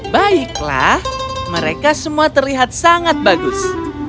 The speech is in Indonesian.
baiklah mereka semua terlihat sangat bagus